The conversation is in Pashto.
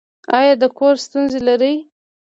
ایا د کور ستونزې لرئ؟